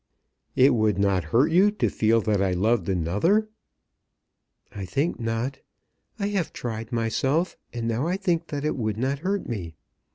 "It would not hurt you to feel that I loved another?" "I think not. I have tried myself, and now I think that it would not hurt me.